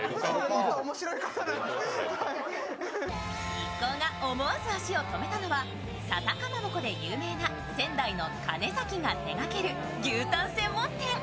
一行が思わず足を止めたのは笹かまぼこで有名な仙台のかねざきが手掛ける牛たん専門店。